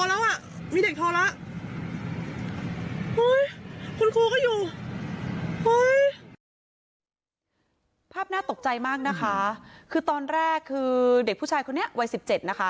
ดีมากเลยพาบน่าตกใจมากนะคะคือตอนแรกเด็กผู้ชายคนนี้วัย๑๗นะคะ